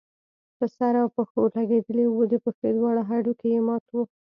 په سر او پښو لګېدلی وو، د پښې دواړه هډوکي يې مات وو